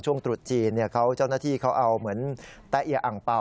ตรุษจีนเจ้าหน้าที่เขาเอาเหมือนแตะเอียอังเป่า